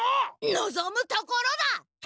のぞむところだ！